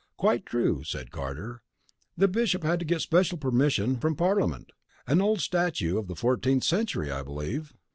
"Quite true," said Carter. "The Bishop had to get special permission from Parliament. An old statute of the fourteenth century, I believe."